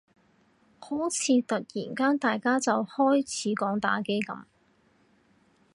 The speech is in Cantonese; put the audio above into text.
好似突然間大家就開始講打機噉